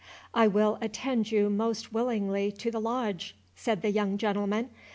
"I will attend you most willingly to the Lodge," said the young gentleman.